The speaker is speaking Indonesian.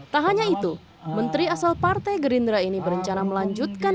tak hanya itu menteri asal partai gerindra ini berencana melanjutkan